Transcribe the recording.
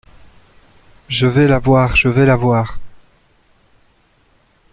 Je vais l’avoir, je vais l’avoir!